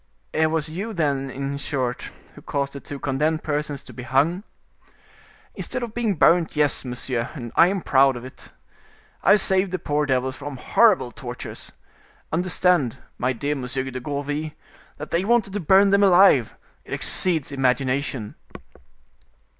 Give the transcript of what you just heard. "It was you, then, in short, who caused the two condemned persons to be hung?" "Instead of being burnt, yes, monsieur, and I am proud of it. I saved the poor devils from horrible tortures. Understand, my dear Monsieur de Gourville, that they wanted to burn them alive. It exceeds imagination!"